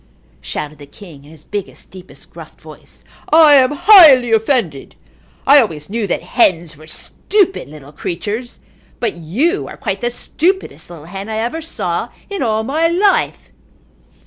shouted the king in his biggest, deepest, gruffest voice. "I am highly offended. I always knew that hens were stupid little creatures but you are quite the stupidest little hen I ever saw in all my life."